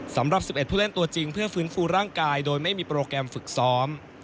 สำหรับ๑๑ผู้เล่นตัวจริงเพื่อฟื้นฟูร่างกายโดยไม่มีโปรแกรมฝึกซ้อม